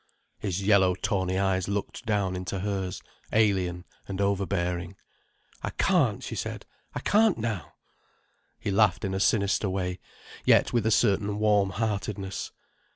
His yellow tawny eyes looked down into hers, alien and overbearing. "I can't," she struggled. "I can't now." He laughed in a sinister way: yet with a certain warmheartedness.